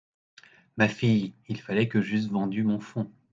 Ma fille, il fallait que j’eusse vendu mon fonds…